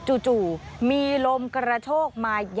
จู่พู้โดยสารมีลมกระโชคมาอย่างแรงเลย